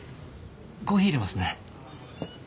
コーヒーいれますね。